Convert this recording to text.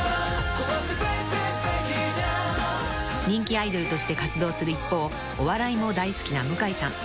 ［人気アイドルとして活動する一方お笑いも大好きな向井さん］